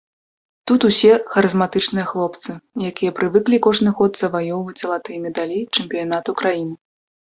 Тут усе харызматычныя хлопцы, якія прывыклі кожны год заваёўваць залатыя медалі чэмпіянату краіны.